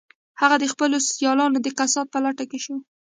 هغه د خپلو سیالانو د کسات په لټه کې شو